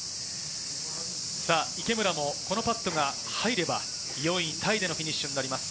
池村もこのパットが入れば４位タイでのフィニッシュになります。